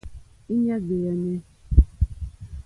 Íɲá ɡbèànè.